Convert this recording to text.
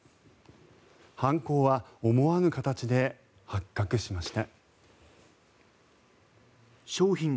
犯行は思わぬ形で発覚しました。